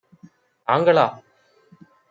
தாங்களா?